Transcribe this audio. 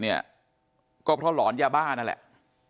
เนี่ยก็เพราะหลอนยาบ้านั่นแหละ